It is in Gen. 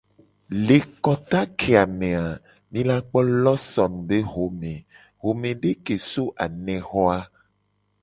Le kota keya me a, mi la kpo lawson be xome, xomede ke so anexo a.